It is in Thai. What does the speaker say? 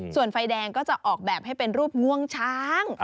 ส่วนไฟแดงก็จะออกแบบให้เป็นรูปง่วงช้าง